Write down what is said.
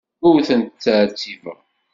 Ur tent-ttɛettibeɣ.